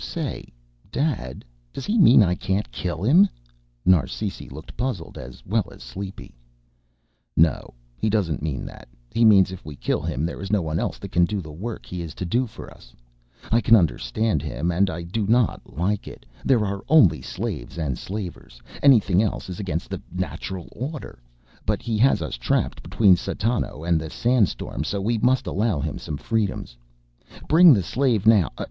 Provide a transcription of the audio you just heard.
"Say, Dad, does he mean I can't kill him?" Narsisi looked puzzled as well as sleepy. "No, he doesn't mean that. He means if we kill him there is no one else that can do the work he is to do for us. I can understand him and I do not like it. There are only slaves and slavers, anything else is against the natural order. But he has us trapped between satano and the sand storm so we must allow him some freedoms. Bring the slave now